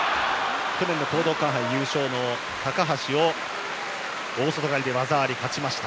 去年の講道館杯優勝の高橋に大外刈りで技ありで勝ちました。